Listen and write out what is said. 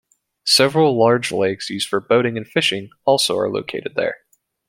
Several large lakes used for boating and fishing also are located there.